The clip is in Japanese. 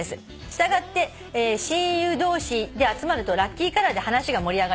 「従って親友同士で集まるとラッキーカラーで話が盛り上がります」